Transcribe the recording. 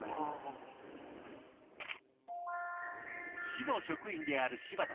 市の職員である柴田さん。